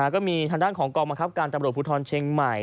ก็มีทางด้านของกองบังคับการตำรวจภูทรเชียงใหม่